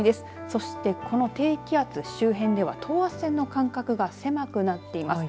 そして、この低気圧の周辺では等圧線の間隔が狭くなっています。